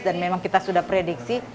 dan memang kita sudah prediksi